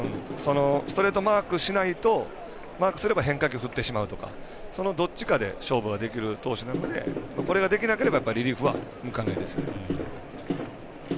ストレート、マークすれば変化球振ってしまうとかどっちかで勝負できるピッチャーなのでこれができなければリリーフは向かないですね。